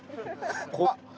怖っ。